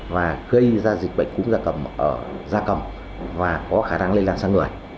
và gây ra dịch bệnh cúm gia cầm và có khả năng lây lan sang người